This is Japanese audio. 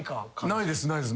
ないですないです。